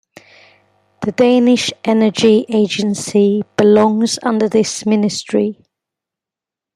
The Danish Energy Agency belongs under this ministry.